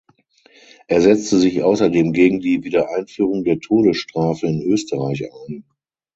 Er setzte sich außerdem gegen die Wiedereinführung der Todesstrafe in Österreich ein.